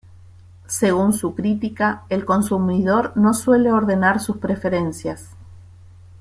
Según su critica, el consumidor no suele ordenar sus preferencias.